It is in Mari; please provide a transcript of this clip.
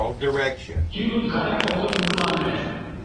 Тӱвыт гаяк огыт мутлане.